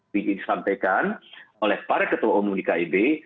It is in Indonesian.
disampaikan oleh para ketua umum di kib